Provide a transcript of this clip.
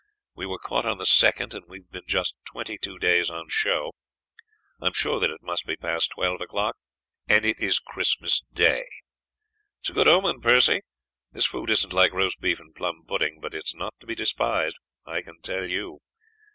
We were caught on the 2d and we have been just twenty two days on show. I am sure that it must be past twelve o'clock, and it is Christmas Day. It is a good omen, Percy. This food isn't like roast beef and plum pudding, but it's not to be despised. I can tell you.